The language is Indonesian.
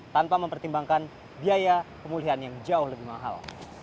tanpa mempertimbangkan biaya pemulihan yang jauh lebih mahal